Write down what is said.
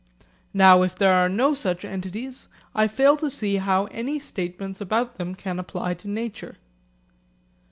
Now if there are no such entities, I fail to see how any statements about them can apply to nature.